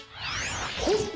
ほっ！